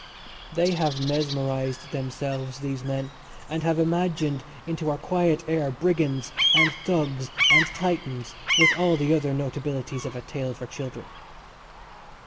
They have mesmerised themselves, these men, and have imagined into our quiet air brigands and thugs and titans, with all the other notabilities of a tale for children.